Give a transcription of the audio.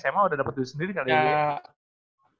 jadi anak bungsu bisa dapat duit sendiri dari sma udah lama